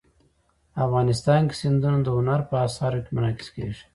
افغانستان کې سیندونه د هنر په اثار کې منعکس کېږي.